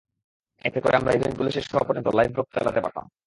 এতে করে আমরা ইভেন্টগুলো শেষ হওয়া পর্যন্ত লাইভ ব্লগ চালাতে পারতাম।